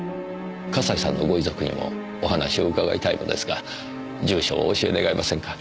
笠井さんのご遺族にもお話を伺いたいのですが住所をお教え願えませんか？